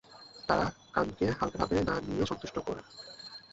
তারা কানকে হালকাভাবে না নিয়ে সন্তুষ্ট করে।